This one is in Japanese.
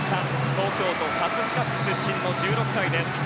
東京都葛飾区出身の１６歳です。